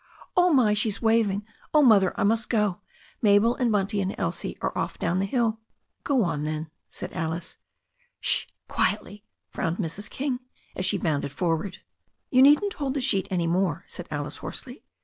Oh, my! she's waving. Oh, Mother, I must go. Mabel and Bunty and Elsie are off down the hiU " "Go on, then," said Alice. "Sh! quietly," frowned Mrs. King, as she bounded for ward. "You needn't hold the sheet any more," said Alice hoarsely.